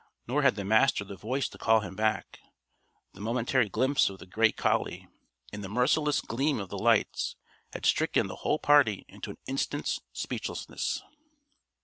Nor had the Master the voice to call him back. The momentary glimpse of the great collie, in the merciless gleam of the lights, had stricken the whole party into an instant's speechlessness.